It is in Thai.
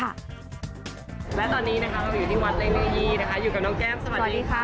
และตอนนี้นะคะเราอยู่ที่วัดเลเนยี่นะคะอยู่กับน้องแก้มสวัสดีค่ะ